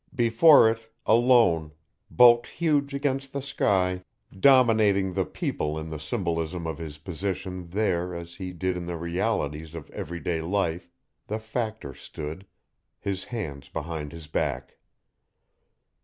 Before it, alone, bulked huge against the sky, dominating the people in the symbolism of his position there as he did in the realities of every day life, the Factor stood, his hands behind his back.